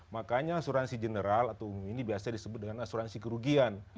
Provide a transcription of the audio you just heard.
makanya asuransi general atau umum ini biasa disebut dengan asuransi kerugian